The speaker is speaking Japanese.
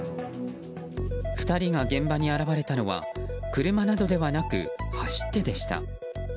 ２人が現場に現れたのは車などではなく、走ってでした。